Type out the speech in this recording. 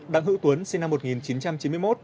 đặng hữu tuấn sinh năm một nghìn chín trăm chín mươi một